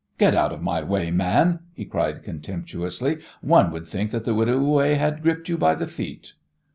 "Get out of the way, man!" he cried contemptuously. "One would think that the widow Houet had gripped you by the feet."